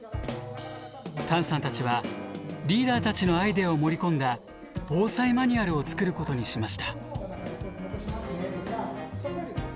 譚さんたちはリーダーたちのアイデアを盛り込んだ防災マニュアルを作ることにしました。